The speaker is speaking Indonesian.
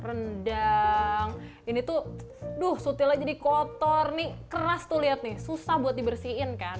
rendang ini tuh duh sutilnya jadi kotor nih keras tuh lihat nih susah buat dibersihin kan